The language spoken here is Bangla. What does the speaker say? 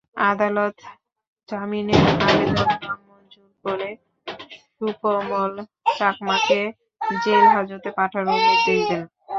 আদালত জামিনের আবেদন নামঞ্জুর করে সুকোমল চাকমাকে জেলহাজতে পাঠানোর নির্দেশ দেন।